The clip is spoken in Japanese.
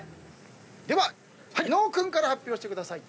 では伊野尾君から発表してください。